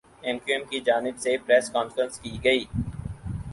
M Q M کی جانب سے پریس کانفرنس کی گئی